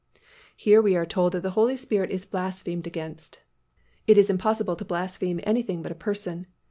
Here we are told that the Holy Spirit is blasphemed against. It is impossible to blaspheme anything but a person.